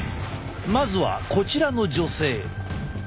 まずはこちらの女性。